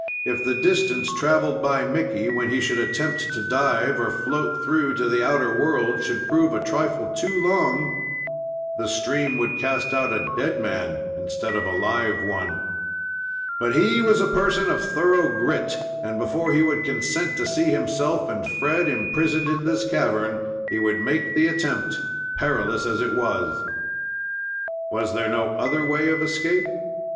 If the distance traveled by Mickey, when he should attempt to dive or float through to the outer world, should prove a trifle too long, the stream would cast out a dead man instead of a live one. But he was a person of thorough grit, and before he would consent to see himself and Fred imprisoned in this cavern, he would make the attempt, perilous as it was. Was there no other way of escape?